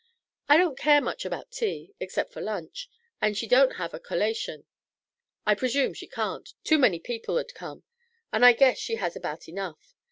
I don't care much about tea excep' for lunch, and she don't have a collation I presume she can't; too many people'd come, and I guess she has about enough.